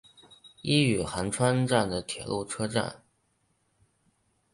伊予寒川站的铁路车站。